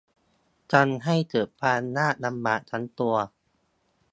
ทำให้เกิดความยากลำบากทั้งตัว